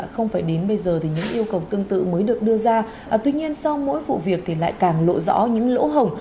không phải đến bây giờ thì những yêu cầu tương tự mới được đưa ra tuy nhiên sau mỗi vụ việc thì lại càng lộ rõ những lỗ hồng